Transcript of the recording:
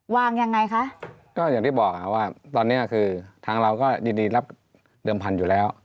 ยังไงคะก็อย่างที่บอกค่ะว่าตอนเนี้ยคือทางเราก็ยินดีรับเดิมพันธุ์อยู่แล้ว